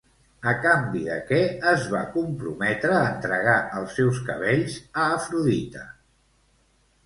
A canvi de què es va comprometre a entregar els seus cabells a Afrodita?